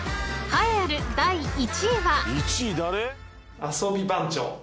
栄えある第１位は］